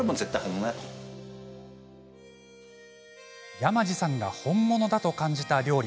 山地さんが本物だと感じた料理。